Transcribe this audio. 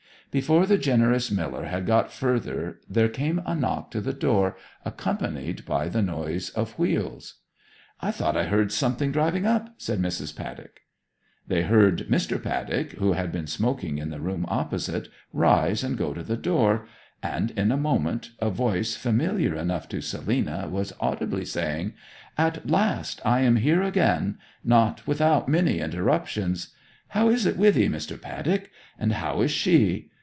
Before the generous Miller had got further there came a knock to the door accompanied by the noise of wheels. 'I thought I heard something driving up!' said Mrs Paddock. They heard Mr. Paddock, who had been smoking in the room opposite, rise and go to the door, and in a moment a voice familiar enough to Selina was audibly saying, 'At last I am here again not without many interruptions! How is it with 'ee, Mr. Paddock? And how is she?